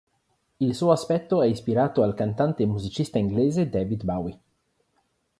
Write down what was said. Il suo aspetto è ispirato al cantante e musicista inglese David Bowie.